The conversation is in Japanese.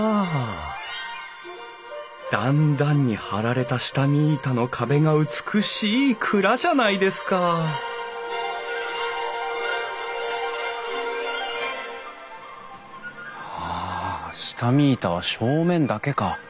段々に張られた下見板の壁が美しい蔵じゃないですかはあ下見板は正面だけか。